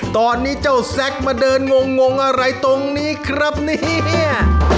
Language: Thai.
ตอนนี้เจ้าแซคมาเดินงงอะไรตรงนี้ครับเนี่ย